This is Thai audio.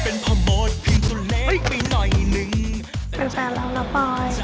เป็นแฟนเราน่ะปอย